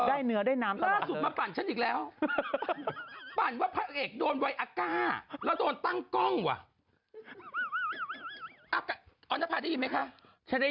ได้เนื้อได้น้ำตลอด